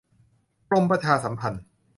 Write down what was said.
กรมประชาสัมพันธ์